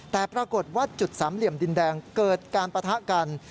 แต่ปรากฏว่าจุดสามเหลี่ยมดินแดงเกิดการปะทะกัน